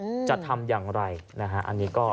สุนัขจวรจัดจะทำอย่างไรเป็นสิ่งที่จนเกิดขึ้นอีกแล้ว